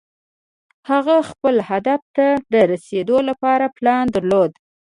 هغه خپل هدف ته د رسېدو لپاره پلان درلود.